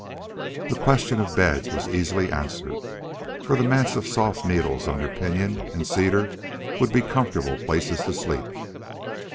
The question of beds was easily answered, for the mats of soft needles under pinyon and cedar would be comfortable places to sleep.